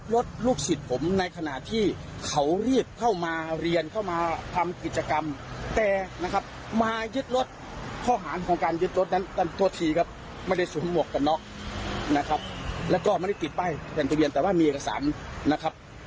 รู้สึกทุกขาทำไมครับเดินกลับแล้วครับ